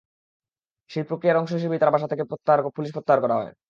সেই প্রক্রিয়ার অংশ হিসেবেই তাঁর বাসা থেকে পুলিশ প্রত্যাহার করা হয়।